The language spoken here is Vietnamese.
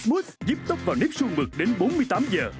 mút giếp tóc vào nếp sương mực đến bốn mươi tám h